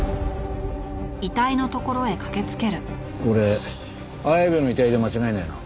これ綾部の遺体で間違いないな。